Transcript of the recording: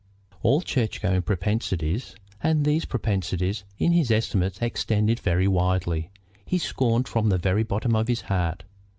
All church going propensities, and these propensities in his estimate extended very widely, he scorned from the very bottom of his heart.